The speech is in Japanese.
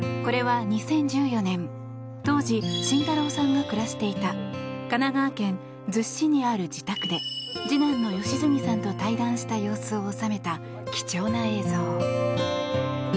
これは、２０１４年当時、慎太郎さんが暮らしていた神奈川県逗子市にある自宅で次男の良純さんと対談した様子を収めた貴重な映像。